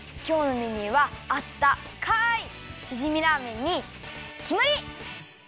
きょうのメニューはあったかいしじみラーメンにきまり！